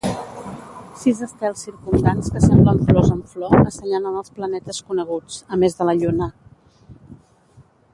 Sis estels circumdants, que semblen flors en flor, assenyalen els planetes coneguts, a més de la Lluna.